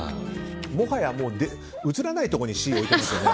もはや映らないところにＣを置いてますよね。